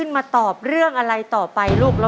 คุณยายแจ้วเลือกตอบจังหวัดนครราชสีมานะครับ